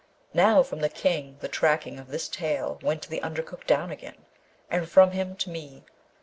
Now from the King the tracking of this tale went to the under cook down again, and from him to me.